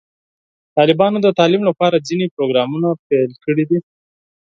طالبانو د تعلیم لپاره ځینې پروګرامونه پیل کړي دي.